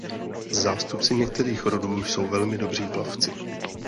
Zástupci některých rodů jsou velmi dobří plavci.